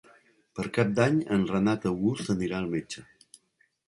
Per Cap d'Any en Renat August anirà al metge.